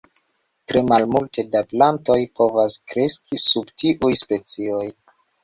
Tre malmulte da plantoj povas kreski sub tiuj specioj.